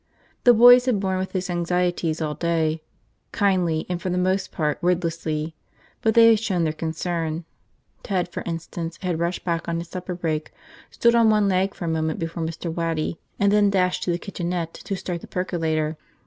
The boys had borne with his anxieties all day, kindly and for the most part wordlessly. But they had shown their concern. Ted, for instance, had rushed back on his supper break, stood on one leg for a moment before Mr. Waddy, and then dashed to the kitchenette to start the percolator.